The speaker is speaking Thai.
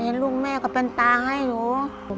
เห็นลูกแม่ก็เป็นตาให้หนู